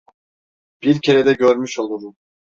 Bir kere de görmüş olurum!